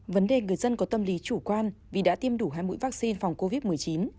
vấn đề người dân có tâm lý chủ quan vì đã tiêm đủ hai mũi vaccine phòng covid một mươi chín